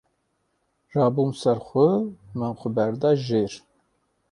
rabûm ser xwe, min xwe berda jêr